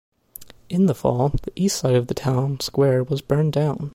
In the fall the east side of the town square was burned down.